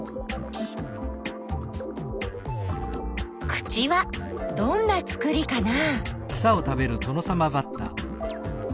口はどんなつくりかな？